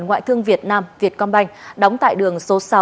ngoại thương việt nam việt công banh đóng tại đường số sáu